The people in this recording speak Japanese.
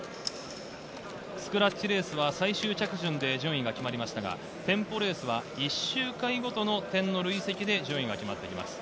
スクラッチレースは最終着順で順位が決まりましたがテンポレースは１周回ごとの点の累積で順位が決まります。